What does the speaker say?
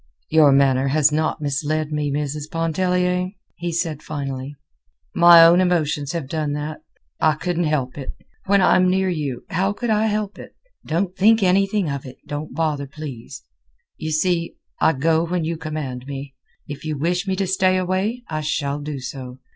"Your manner has not misled me, Mrs. Pontellier," he said finally. "My own emotions have done that. I couldn't help it. When I'm near you, how could I help it? Don't think anything of it, don't bother, please. You see, I go when you command me. If you wish me to stay away, I shall do so.